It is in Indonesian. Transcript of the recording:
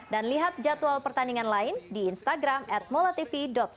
dan lihat jadwal pertandingan lain di instagram at molatv